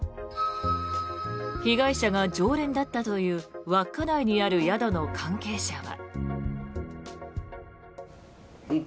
被害者が常連だったという稚内にある宿の関係者は。